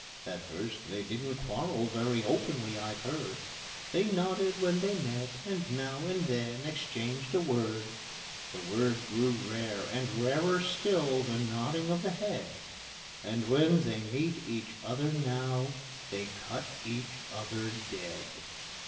At first they didn't quarrel very openly, I've heard; They nodded when they met, and now and then exchanged a word: The word grew rare, and rarer still the nodding of the head, And when they meet each other now, they cut each other dead.